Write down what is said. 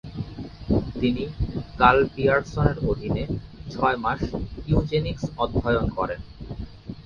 তিনি কার্ল পিয়ারসনের অধীনে ছয় মাস ইউজেনিক্স অধ্যয়ন করেন।